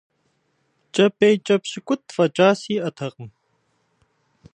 КӀэпӀейкӀэ пщыкӀутӀ фӀэкӀа сиӏэтэкъым.